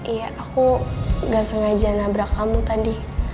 iya aku gak sengaja nabrak kamu tadi